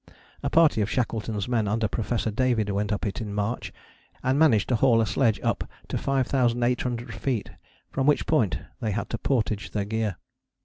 A party of Shackleton's men under Professor David went up it in March, and managed to haul a sledge up to 5800 feet, from which point they had to portage their gear.